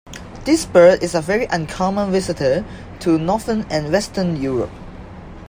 This bird is a very uncommon visitor to northern and western Europe.